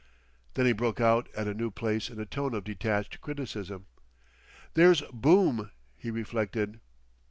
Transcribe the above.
Then he broke out at a new place in a tone of detached criticism. "There's Boom," he reflected.